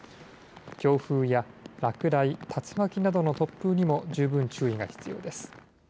強風や落雷、竜巻などの突風にも十分注意が必要です。